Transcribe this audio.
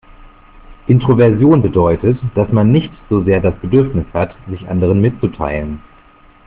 Introversion bedeutet, dass man nicht so sehr das Bedürfnis hat, sich anderen mitzuteilen.